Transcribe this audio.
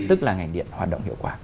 tức là ngành điện hoạt động hiệu quả